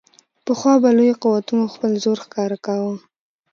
پخوا به لویو قوتونو خپل زور ښکاره کاوه.